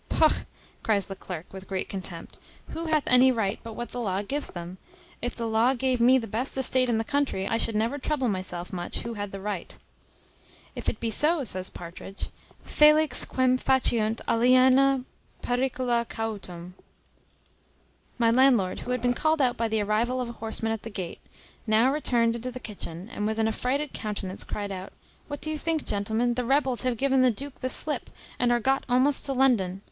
"Pogh!" cries the clerk, with great contempt, "who hath any right but what the law gives them? If the law gave me the best estate in the country, I should never trouble myself much who had the right." "If it be so," says Partridge, "Felix quem faciunt aliena pericula cautum." My landlord, who had been called out by the arrival of a horseman at the gate, now returned into the kitchen, and with an affrighted countenance cried out, "What do you think, gentlemen? The rebels have given the duke the slip, and are got almost to London.